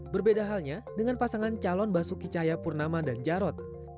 berbeda halnya dengan pasangan calon basuki cahaya purnama dan jarod